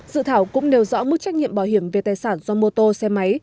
dự thảo cũng nêu rõ mức trách nhiệm bảo hiểm về tài sản do mô tô xe máy